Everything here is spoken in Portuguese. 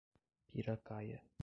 Piracaia